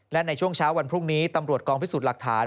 และในช่วงเช้าวันพรุ่งนี้ตำรวจกองพิสูจน์หลักฐาน